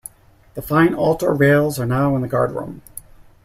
The fine altar rails are now in the Guard Room.